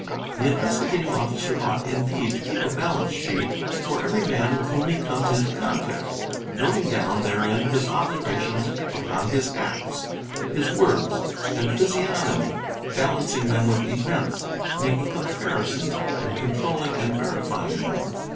The Investigating Officer ought indeed tc keep a balance sheet for every man with whom he comes into ~ contact, noting down therein his observations upon his acts, his words, | and physiognomy, balancing them with events, making comparisons, and controlling and verifying them.